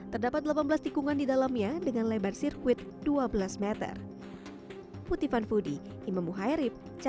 terdapat delapan belas tikungan di dalamnya dengan lebar sirkuit dua belas meter